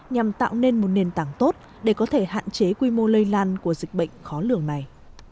nhằm tạo nên một nền tảng tốt để có thể hạn chế quy mô lây lan của dịch bệnh khó lường này